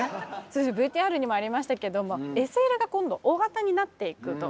そしてＶＴＲにもありましたけどもＳＬが今度大型になっていくと。